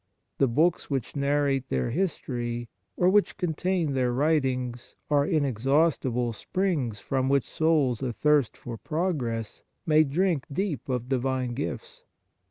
The books which narrate their history, or which con tain their writings, are inexhaustible springs from which souls athirst for progress may drink deep of divine gifts.